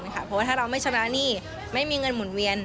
เพราะว่าถ้าเราไม่ชำระหนี้ไม่มีเงินหมุนเวียน